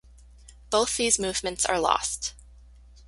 Both these movements are lost.